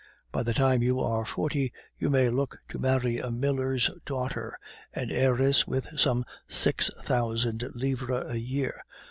By the time you are forty you may look to marry a miller's daughter, an heiress with some six thousand livres a year.